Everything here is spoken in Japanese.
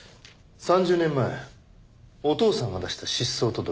３０年前お父さんが出した失踪届。